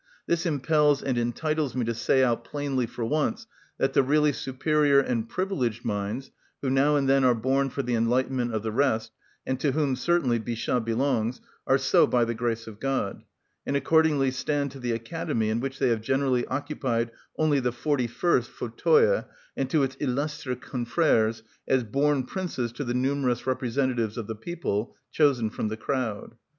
This impels and entitles me to say out plainly for once, that the really superior and privileged minds, who now and then are born for the enlightenment of the rest, and to whom certainly Bichat belongs, are so "by the grace of God," and accordingly stand to the Academy (in which they have generally occupied only the forty first fauteuil) and to its illustres confrères, as born princes to the numerous representatives of the people, chosen from the crowd.